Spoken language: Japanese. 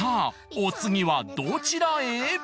お次はどちらへ？